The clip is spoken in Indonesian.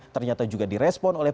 ternyata juga direspon oleh